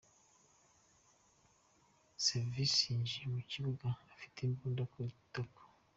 Savvidis yinjiye mu kibuga afite imbunda ku itako.